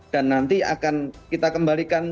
dan nanti akan kita kembalikan